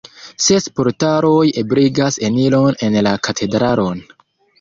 Ses portaloj ebligas eniron en la katedralon.